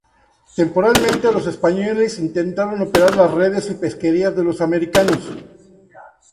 Temporalmente los españoles intentaron operar las redes y pesquerías de los americanos.